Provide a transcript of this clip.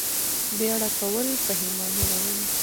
بیړه کول پښیماني راوړي